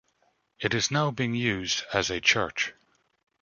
It is now being used as a church.